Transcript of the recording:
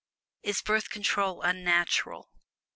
IS BIRTH CONTROL UNNATURAL?